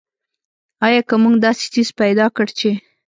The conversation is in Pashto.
آیا که موږ داسې څیز پیدا کړ چې.